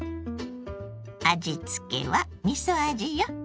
味付けはみそ味よ。